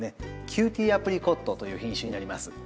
‘キューティーアプリコット’という品種になります。